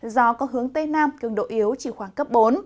gió có hướng tây nam cường độ yếu chỉ khoảng cấp bốn